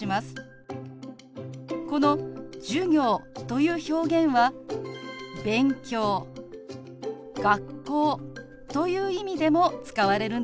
この「授業」という表現は「勉強」「学校」という意味でも使われるんですよ。